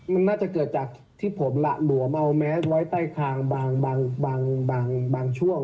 มันน่าจะเกิดจากที่ผมหละหลวมเอาแมสไว้ใต้คางบางช่วง